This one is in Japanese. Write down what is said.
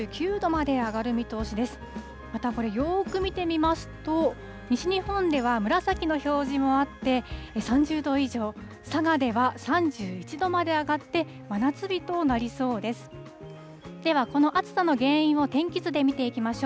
また、これよーく見てみますと、西日本では紫の表示もあって、３０度以上、佐賀では３１度まで上がって、真夏日となりそうです。